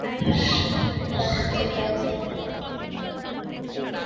এলা, যে পায় সেই জানে যথেষ্ট কাকে বলে।